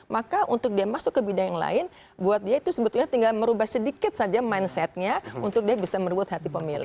maka untuk dia masuk ke bidang yang lain buat dia itu sebetulnya tinggal merubah sedikit saja mindsetnya untuk dia bisa merubah hati pemilih